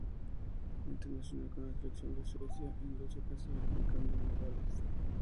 Fue internacional con la selección de Suecia en doce ocasiones, marcando nueve goles.